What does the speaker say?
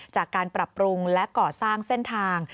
จากการปรับปรุงและก่อสร้างเส้นทาง